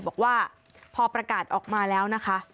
บอกว่าพอประกาศออกมาแล้วนะคะ